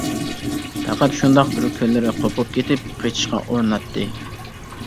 پەقەت شۇنداق بىر كۈنلىرى قوپۇپ كېتىپ قېچىشقا ئۇرۇناتتى.